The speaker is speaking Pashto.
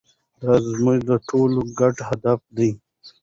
دا زموږ د ټولو ګډ هدف دی.